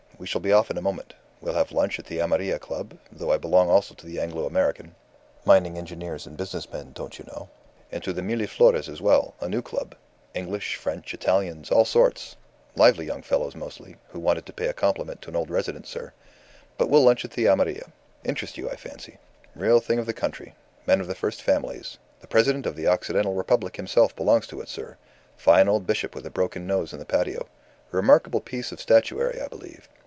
We shall be off in a moment. We'll have lunch at the Amarilla Club though I belong also to the Anglo American mining engineers and business men, don't you know and to the Mirliflores as well, a new club English, French, Italians, all sorts lively young fellows mostly, who wanted to pay a compliment to an old resident, sir. But we'll lunch at the Amarilla. Interest you, I fancy. Real thing of the country. Men of the first families. The President of the Occidental Republic himself belongs to it, sir. Fine old bishop with a broken nose in the patio. Remarkable piece of statuary, I believe.